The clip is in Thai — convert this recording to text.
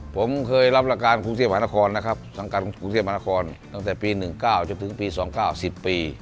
ผมเคยรับหลักการกรุงเทพมหานครนะครับสังการกรุงเทพมหานครตั้งแต่ปี๑๙จนถึงปี๒๙๐ปี